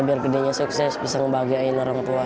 biar gedenya sukses bisa ngebahagiain orang tua